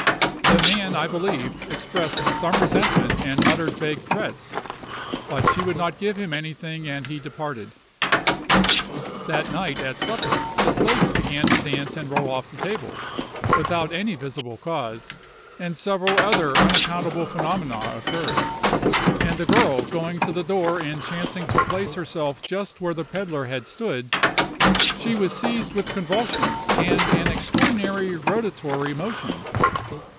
The man, I believe, expressed some resentment and uttered vague threats, but she would not give him anything and he departed. That night at supper the plates began to dance and roll off the table, without any visible cause, and several other unaccountable phenomena occurred; and the girl going to the door and chancing to place herself just where the pedlar had stood, she was seized with convulsions and an extraordinary rotatory motion.